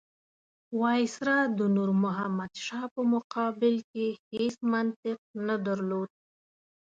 وایسرا د نور محمد شاه په مقابل کې هېڅ منطق نه درلود.